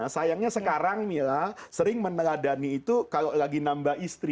sayangnya sekarang mila sering meneladani itu kalau lagi nambah istri